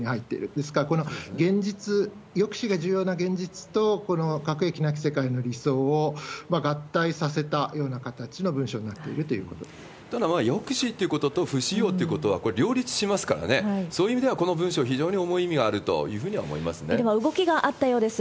ですから、この現実、抑止が重要な現実と、この核兵器なき世界の理想を合体させたような形の文書になっていただ、抑止っていうことと不使用っていうことは、これ、両立しますからね、そういう意味では、この文書、非常に重い意味があるというふうでは、動きがあったようです。